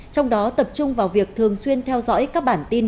trong đó tập trung vào việc thường xuyên theo dõi các bản tin